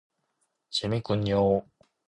재밌군요.